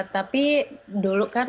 tapi dulu kan masih